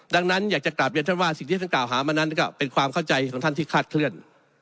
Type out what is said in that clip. ดังนั้นอยากจะกลับเรียนท่านว่าสิ่งที่ท่านกล่าวหามานั้นก็เป็นความเข้าใจของท่านที่คาดเคลื่อน